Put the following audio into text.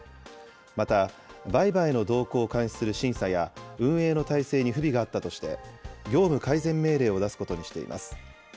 また、売買の動向を監視する審査や、運営の態勢に不備があったとして、業務改善命令を出すことにしています。